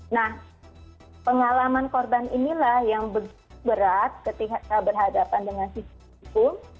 nah pengalaman korban inilah yang berat ketika berhadapan dengan sistem hukum